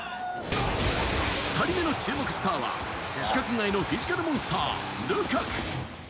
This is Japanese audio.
２人目の注目スターは規格外のフィジカルモンスター、ルカク。